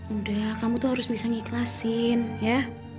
udah kamu tuh harus bisa mengikhlasin ya